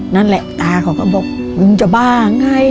นั่นแหละตาเขาก็บอกมึงจะบ้าไง